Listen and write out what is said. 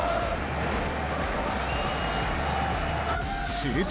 すると。